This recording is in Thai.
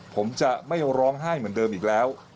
ผมจะไม่ร้องไห้เหมือนเดิมอีกแล้ว